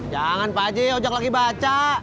jangan pak haji ojak lagi baca